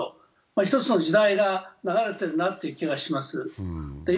一つの時代が流れているなという気がします。